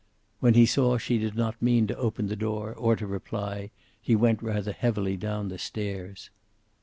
When he saw she did not mean to open the door or to reply, he went rather heavily down the stairs.